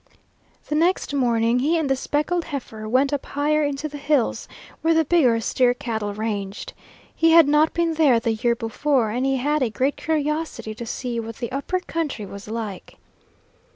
The next morning he and the speckled heifer went up higher into the hills where the bigger steer cattle ranged. He had not been there the year before, and he had a great curiosity to see what the upper country was like.